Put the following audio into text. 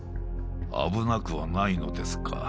危なくはないのですか？